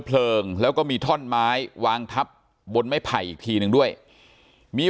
เพลิงแล้วก็มีท่อนไม้วางทับบนไม้ไผ่อีกทีหนึ่งด้วยมี